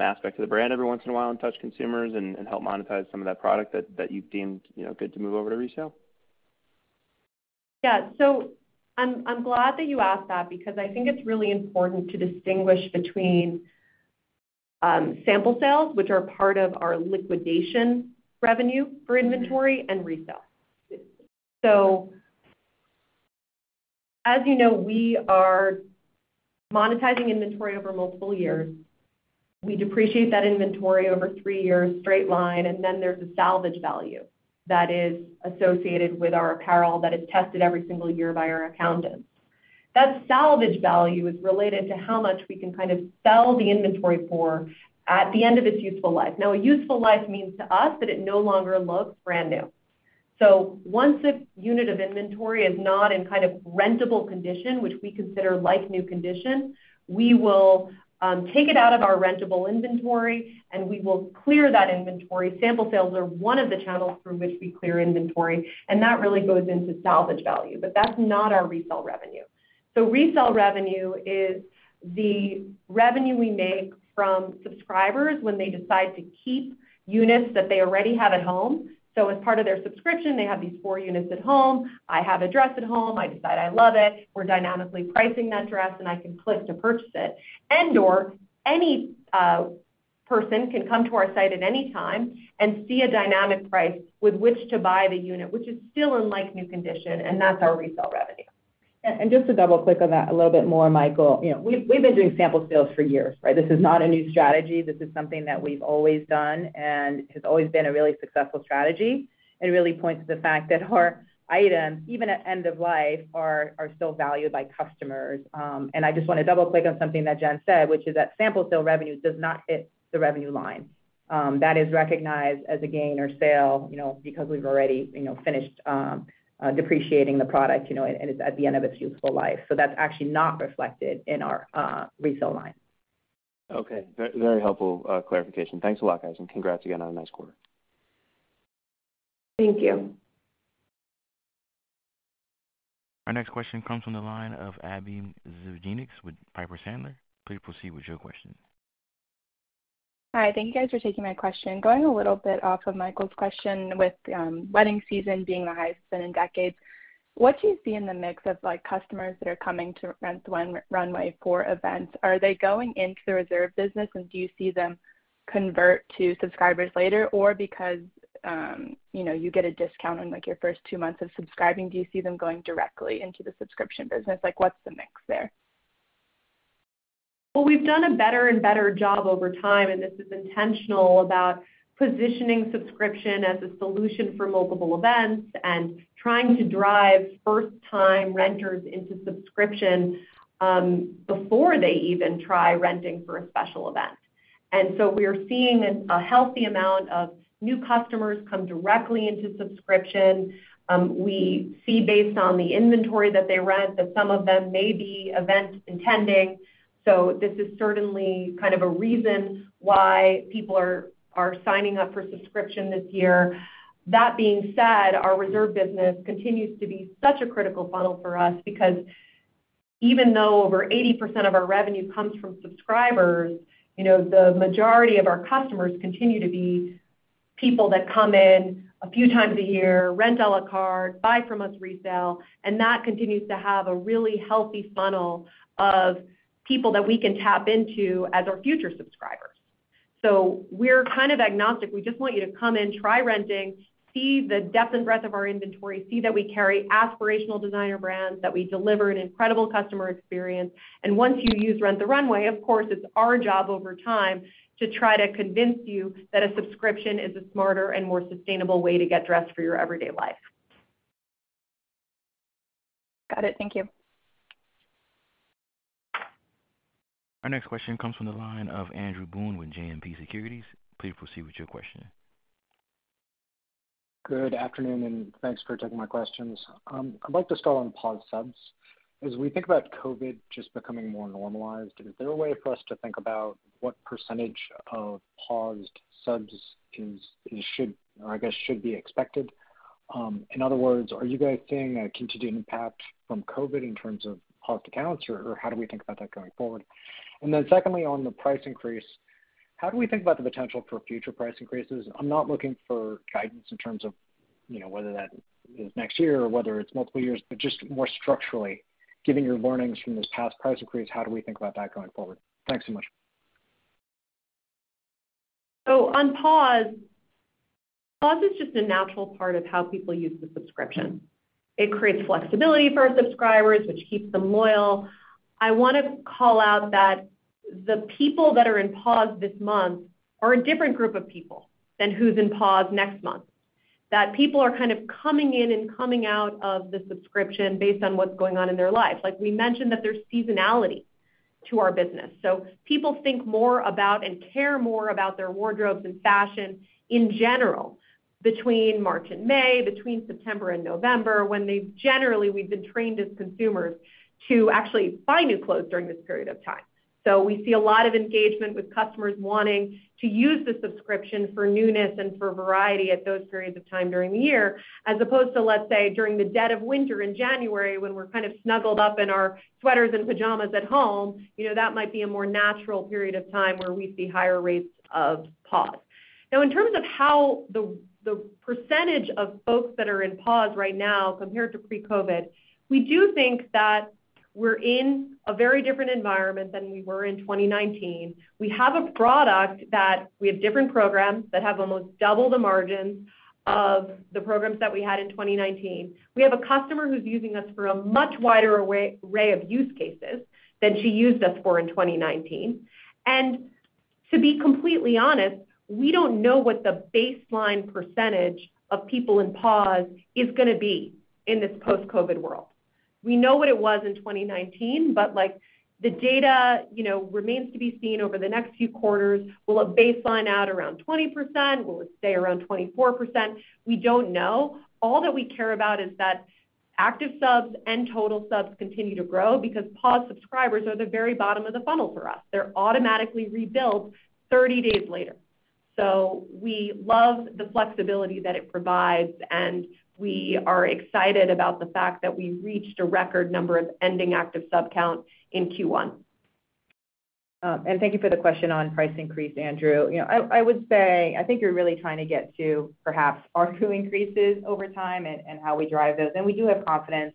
Speaker 9: aspect to the brand every once in a while and touch consumers and help monetize some of that product that you've deemed, you know, good to move over to resale?
Speaker 3: Yeah. I'm glad that you asked that because I think it's really important to distinguish between sample sales, which are part of our liquidation revenue for inventory, and resale. As you know, we are monetizing inventory over multiple years. We depreciate that inventory over three years straight line, and then there's a salvage value that is associated with our apparel that is tested every single year by our accountants. That salvage value is related to how much we can kind of sell the inventory for at the end of its useful life. Now, a useful life means to us that it no longer looks brand new. Once a unit of inventory is not in kind of rentable condition, which we consider like-new condition, we will take it out of our rentable inventory, and we will clear that inventory. Sample sales are one of the channels through which we clear inventory, and that really goes into salvage value. That's not our resale revenue. Resale revenue is the revenue we make from subscribers when they decide to keep units that they already have at home. As part of their subscription, they have these four units at home. I have a dress at home. I decide I love it. We're dynamically pricing that dress, and I can click to purchase it. And/or any person can come to our site at any time and see a dynamic price with which to buy the unit, which is still in like-new condition, and that's our resale revenue.
Speaker 4: Just to double-click on that a little bit more, Michael, you know, we've been doing sample sales for years, right? This is not a new strategy. This is something that we've always done and has always been a really successful strategy. It really points to the fact that our items, even at end of life, are still valued by customers. I just wanna double-click on something that Jen said, which is that sample sale revenue does not hit the revenue line. That is recognized as a gain or sale, you know, because we've already, you know, finished depreciating the product, you know, and it's at the end of its useful life. That's actually not reflected in our resale line.
Speaker 9: Okay. Very helpful clarification. Thanks a lot, guys, and congrats again on a nice quarter.
Speaker 4: Thank you.
Speaker 1: Our next question comes from the line of Abbie Zvejnieks with Piper Sandler. Please proceed with your question.
Speaker 10: Hi, thank you guys for taking my question. Going a little bit off of Michael's question with wedding season being the highest it's been in decades, what do you see in the mix of, like, customers that are coming to Rent the Runway for events? Are they going into the Reserve business, and do you see them convert to subscribers later? Or because you know, you get a discount on, like, your first two months of subscribing, do you see them going directly into the subscription business? Like, what's the mix there?
Speaker 3: Well, we've done a better and better job over time, and this is intentional, about positioning subscription as a solution for multiple events and trying to drive first-time renters into subscription before they even try renting for a special event. We're seeing a healthy amount of new customers come directly into subscription. We see based on the inventory that they rent, that some of them may be event-intending. This is certainly kind of a reason why people are signing up for subscription this year. That being said, our Reserve business continues to be such a critical funnel for us because even though over 80% of our revenue comes from subscribers, you know, the majority of our customers continue to be people that come in a few times a year, rent à la carte, buy from us Resale, and that continues to have a really healthy funnel of people that we can tap into as our future subscribers. We're kind of agnostic. We just want you to come in, try renting, see the depth and breadth of our inventory, see that we carry aspirational designer brands, that we deliver an incredible customer experience. Once you use Rent the Runway, of course, it's our job over time to try to convince you that a Subscription is a smarter and more sustainable way to get dressed for your everyday life.
Speaker 10: Got it. Thank you.
Speaker 1: Our next question comes from the line of Andrew Boone with JMP Securities. Please proceed with your question.
Speaker 11: Good afternoon, and thanks for taking my questions. I'd like to start on paused subs. As we think about COVID just becoming more normalized, is there a way for us to think about what percentage of paused subs is or should be expected, I guess? In other words, are you guys seeing a continued impact from COVID in terms of paused accounts, or how do we think about that going forward? Secondly, on the price increase, how do we think about the potential for future price increases? I'm not looking for guidance in terms of, you know, whether that is next year or whether it's multiple years, but just more structurally, given your learnings from this past price increase, how do we think about that going forward? Thanks so much.
Speaker 3: On pause is just a natural part of how people use the subscription. It creates flexibility for our subscribers, which keeps them loyal. I wanna call out that the people that are in pause this month are a different group of people than who's in pause next month. That people are kind of coming in and coming out of the subscription based on what's going on in their life. Like, we mentioned that there's seasonality to our business. People think more about and care more about their wardrobes and fashion in general between March and May, between September and November, when we've generally been trained as consumers to actually buy new clothes during this period of time. We see a lot of engagement with customers wanting to use the subscription for newness and for variety at those periods of time during the year, as opposed to, let's say, during the dead of winter in January when we're kind of snuggled up in our sweaters and pajamas at home. You know, that might be a more natural period of time where we see higher rates of pause. Now, in terms of how the percentage of folks that are in pause right now compared to pre-COVID, we do think that we're in a very different environment than we were in 2019. We have a product that we have different programs that have almost double the margins of the programs that we had in 2019. We have a customer who's using us for a much wider array of use cases than she used us for in 2019. To be completely honest, we don't know what the baseline percentage of people in pause is gonna be in this post-COVID world. We know what it was in 2019, but, like, the data, you know, remains to be seen over the next few quarters. Will it baseline out around 20%? Will it stay around 24%? We don't know. All that we care about is that active subs and total subs continue to grow because paused subscribers are the very bottom of the funnel for us. They're automatically rebuilt 30 days later. We love the flexibility that it provides, and we are excited about the fact that we reached a record number of ending active sub count in Q1.
Speaker 4: Thank you for the question on price increase, Andrew. You know, I would say I think you're really trying to get to perhaps ARPU increases over time and how we drive those, and we do have confidence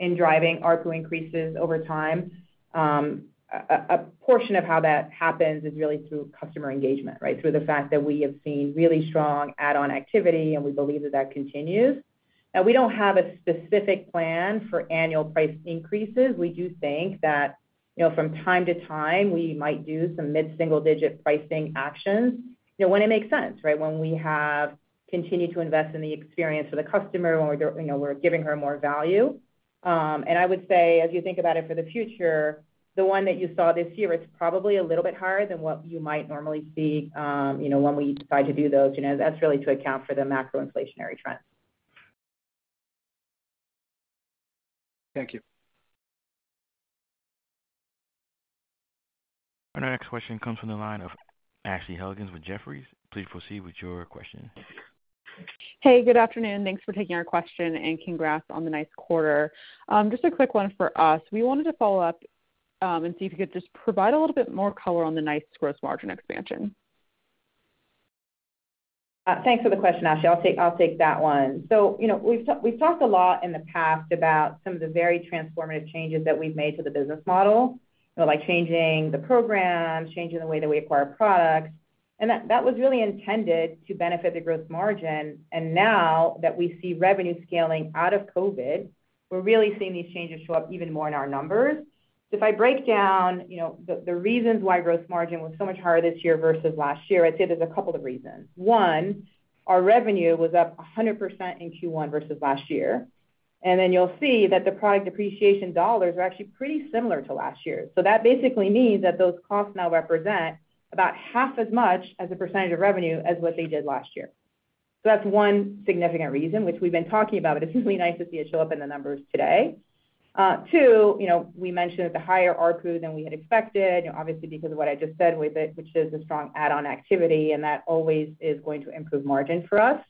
Speaker 4: in driving ARPU increases over time. A portion of how that happens is really through customer engagement, right? Through the fact that we have seen really strong add-on activity, and we believe that that continues. Now we don't have a specific plan for annual price increases. We do think that, you know, from time to time we might do some mid-single digit pricing actions, you know, when it makes sense, right? When we have continued to invest in the experience for the customer, when we're, you know, we're giving her more value. I would say as you think about it for the future, the one that you saw this year, it's probably a little bit harder than what you might normally see, you know, when we decide to do those. You know, that's really to account for the macro inflationary trends.
Speaker 11: Thank you.
Speaker 1: Our next question comes from the line of Ashley Helgans with Jefferies. Please proceed with your question.
Speaker 12: Hey, good afternoon. Thanks for taking our question, and congrats on the nice quarter. Just a quick one for us. We wanted to follow up, and see if you could just provide a little bit more color on the nice gross margin expansion.
Speaker 4: Thanks for the question, Ashley. I'll take that one. You know, we've talked a lot in the past about some of the very transformative changes that we've made to the business model, you know, by changing the program, changing the way that we acquire products. That was really intended to benefit the gross margin. Now that we see revenue scaling out of COVID, we're really seeing these changes show up even more in our numbers. If I break down, you know, the reasons why gross margin was so much higher this year versus last year, I'd say there's a couple of reasons. One, our revenue was up 100% in Q1 versus last year. Then you'll see that the product depreciation dollars are actually pretty similar to last year. That basically means that those costs now represent about half as much as a percentage of revenue as what they did last year. That's one significant reason, which we've been talking about. It's really nice to see it show up in the numbers today. Two, you know, we mentioned at the higher ARPU than we had expected, you know, obviously because of what I just said with it, which is the strong add-on activity, and that always is going to improve margin for us.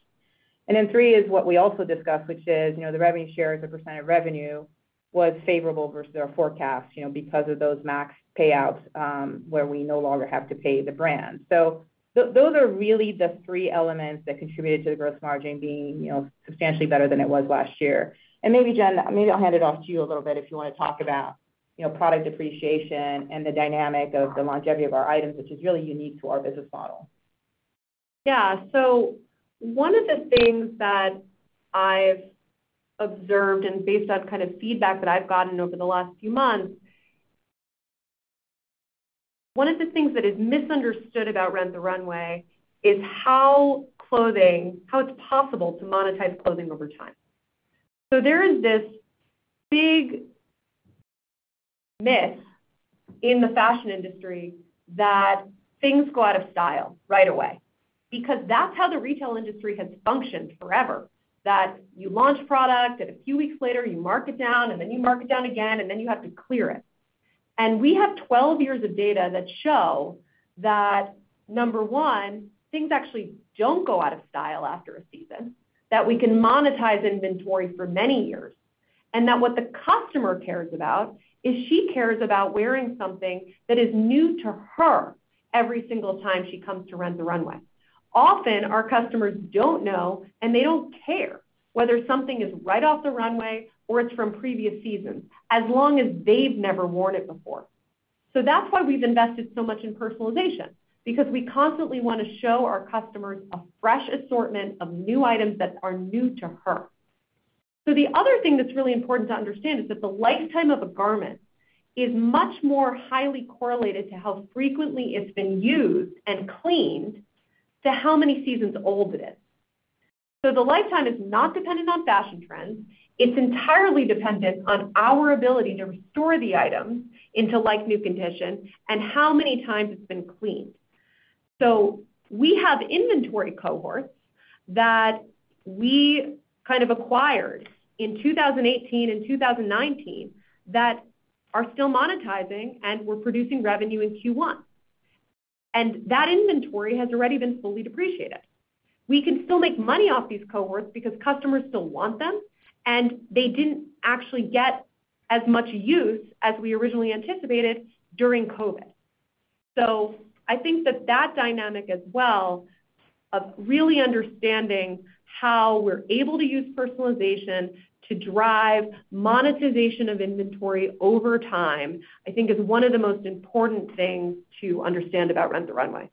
Speaker 4: Three is what we also discussed, which is, you know, the revenue share as a percentage of revenue was favorable versus our forecast, you know, because of those max payouts, where we no longer have to pay the brand. Those are really the three elements that contributed to the gross margin being, you know, substantially better than it was last year. Maybe Jen, maybe I'll hand it off to you a little bit if you wanna talk about, you know, product depreciation and the dynamic of the longevity of our items, which is really unique to our business model.
Speaker 3: Yeah. One of the things that I've observed, and based on kind of feedback that I've gotten over the last few months, one of the things that is misunderstood about Rent the Runway is how it's possible to monetize clothing over time. There is this big myth in the fashion industry that things go out of style right away because that's how the retail industry has functioned forever. That you launch product, and a few weeks later you mark it down, and then you mark it down again, and then you have to clear it. We have 12 years of data that show that, number one, things actually don't go out of style after a season, that we can monetize inventory for many years, and that what the customer cares about is she cares about wearing something that is new to her every single time she comes to Rent the Runway. Often, our customers don't know, and they don't care whether something is right off the runway or it's from previous seasons, as long as they've never worn it before. That's why we've invested so much in personalization, because we constantly wanna show our customers a fresh assortment of new items that are new to her. The other thing that's really important to understand is that the lifetime of a garment is much more highly correlated to how frequently it's been used and cleaned to how many seasons old it is. The lifetime is not dependent on fashion trends. It's entirely dependent on our ability to restore the item into like-new condition and how many times it's been cleaned. We have inventory cohorts that we kind of acquired in 2018 and 2019 that are still monetizing and were producing revenue in Q1, and that inventory has already been fully depreciated. We can still make money off these cohorts because customers still want them, and they didn't actually get as much use as we originally anticipated during COVID. I think that dynamic as well of really understanding how we're able to use personalization to drive monetization of inventory over time, I think is one of the most important things to understand about Rent the Runway.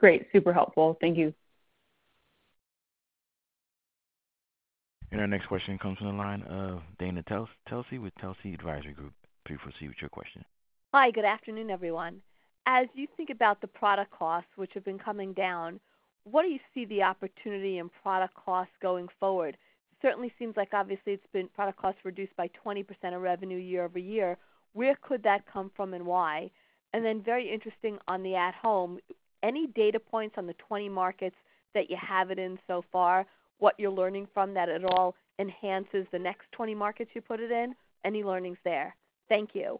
Speaker 12: Great. Super helpful. Thank you.
Speaker 1: Our next question comes from the line of Dana Telsey with Telsey Advisory Group. Please proceed with your question.
Speaker 13: Hi. Good afternoon, everyone. As you think about the product costs, which have been coming down, what do you see the opportunity in product costs going forward? It certainly seems like obviously it's been product costs reduced by 20% of revenue year-over-year. Where could that come from and why? Very interesting on the at home. Any data points on the 20 markets that you have it in so far, what you're learning from that at all enhances the next 20 markets you put it in? Any learnings there? Thank you.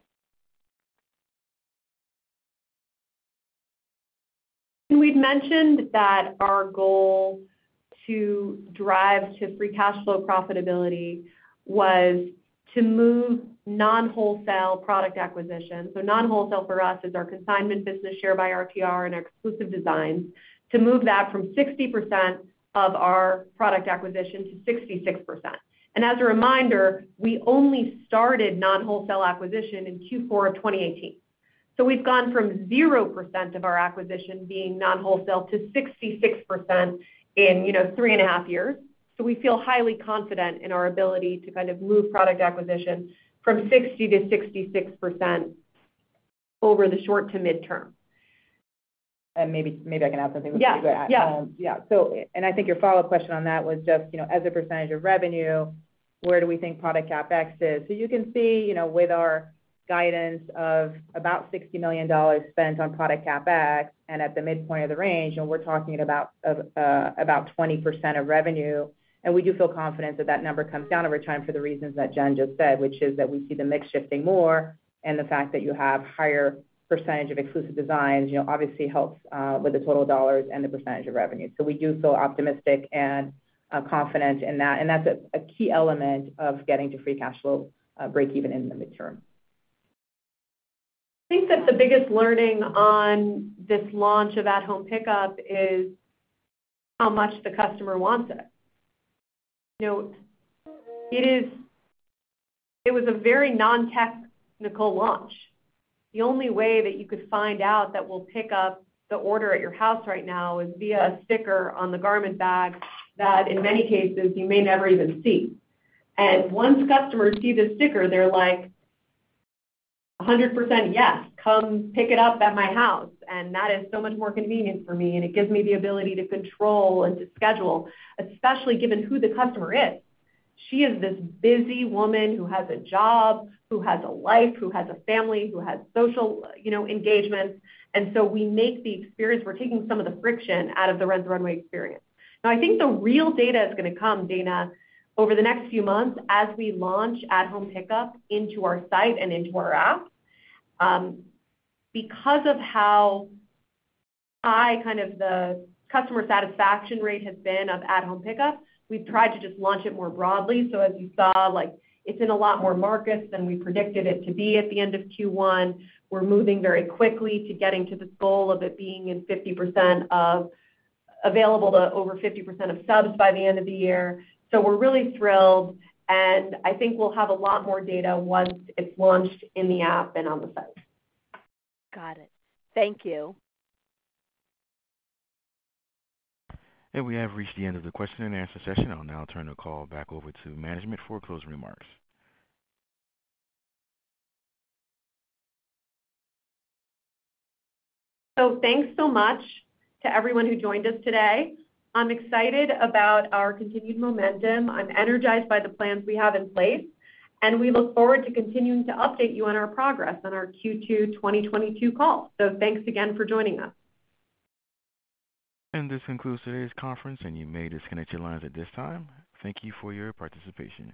Speaker 3: We've mentioned that our goal to drive to free cash flow profitability was to move non-wholesale product acquisition. Non-wholesale for us is our consignment business Share by RTR and exclusive designs to move that from 60% of our product acquisition to 66%. As a reminder, we only started non-wholesale acquisition in Q4 of 2018. We've gone from 0% of our acquisition being non-wholesale to 66% in, you know, 3 and a half years. We feel highly confident in our ability to kind of move product acquisition from 60 to 66% over the short to midterm.
Speaker 4: Maybe I can add something.
Speaker 3: Yeah. Yeah.
Speaker 4: Yeah. I think your follow-up question on that was just, you know, as a percentage of revenue, where do we think product CapEx is? You can see, you know, with our guidance of about $60 million spent on product CapEx and at the midpoint of the range, and we're talking about about 20% of revenue. We do feel confident that that number comes down over time for the reasons that Jen just said, which is that we see the mix shifting more and the fact that you have higher percentage of exclusive designs, you know, obviously helps with the total dollars and the percentage of revenue. We do feel optimistic and confident in that, and that's a key element of getting to free cash flow breakeven in the midterm.
Speaker 3: I think that the biggest learning on this launch of at home pickup is how much the customer wants it. You know, it is. It was a very non-technical launch. The only way that you could find out that we'll pick up the order at your house right now is via a sticker on the garment bag that in many cases you may never even see. Once customers see the sticker, they're like, "A hundred percent, yes. Come pick it up at my house. And that is so much more convenient for me, and it gives me the ability to control and to schedule," especially given who the customer is. She is this busy woman who has a job, who has a life, who has a family, who has social, you know, engagements. We make the experience. We're taking some of the friction out of the Rent the Runway experience. Now, I think the real data is gonna come, Dana, over the next few months as we launch at home pickup into our site and into our app. Because of how high kind of the customer satisfaction rate has been of at home pickup, we've tried to just launch it more broadly. As you saw, like, it's in a lot more markets than we predicted it to be at the end of Q1. We're moving very quickly to getting to this goal of it being available to over 50% of subs by the end of the year. We're really thrilled, and I think we'll have a lot more data once it's launched in the app and on the site.
Speaker 13: Got it. Thank you.
Speaker 1: We have reached the end of the question and answer session. I'll now turn the call back over to management for closing remarks.
Speaker 3: Thanks so much to everyone who joined us today. I'm excited about our continued momentum. I'm energized by the plans we have in place, and we look forward to continuing to update you on our progress on our Q2 2022 call. Thanks again for joining us.
Speaker 1: This concludes today's conference, and you may disconnect your lines at this time. Thank you for your participation.